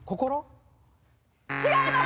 違います！